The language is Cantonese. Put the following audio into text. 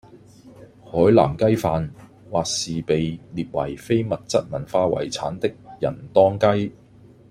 海南雞飯或是被列為非物質文化遺產的仁當雞